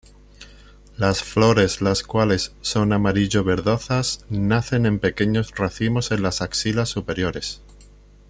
Las flores, las cuales son amarillo-verdosas, nacen en pequeños racimos en las axilas superiores.